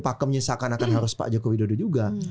pakemnya seakan akan harus pak joko widodo juga